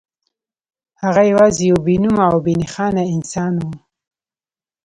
هغه یوازې یو بې نومه او بې نښانه انسان و